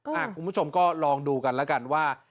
คุณผู้ชมก็ลองดูกันแล้วกันว่า